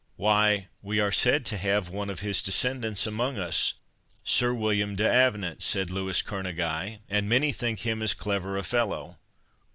"Why, we are said to have one of his descendants among us—Sir William D'Avenant," said Louis Kerneguy; "and many think him as clever a fellow."